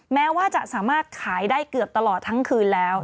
แม้ว่าจะสามารถขายได้เกือบตลอดทั้งคืนแล้ว